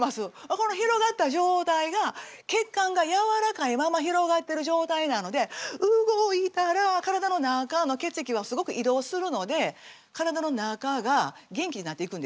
この広がった状態が血管がやわらかいまま広がってる状態なので動いたら体の中の血液がすごく移動するので体の中が元気になっていくんですよ。